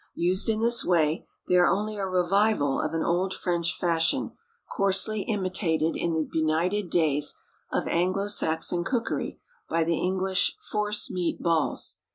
Used in this way, they are only a revival of an old French fashion, coarsely imitated in the benighted days of Anglo Saxon cookery by the English "force meat balls."